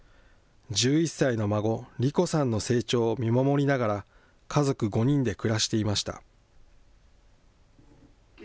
１１歳の孫、理子さんの成長を見守りながら、家族５人で暮らしていました。